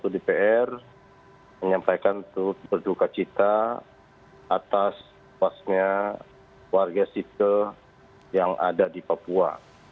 dpr menyampaikan untuk berduka cita atas kepuasnya warga sifte yang ada di papua